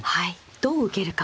どう受けるか。